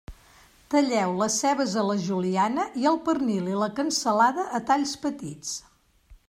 Talleu les cebes a la juliana i el pernil i la cansalada a talls petits.